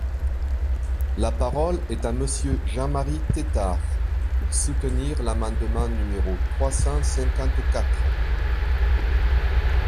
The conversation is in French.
La parole est à Monsieur Jean-Marie Tetart, pour soutenir l’amendement numéro trois cent cinquante-quatre.